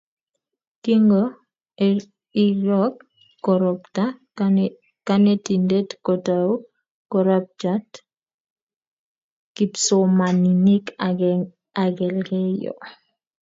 Kingo iryok koroktap kanetindet kotou korapach kipsomaninik ngelelyo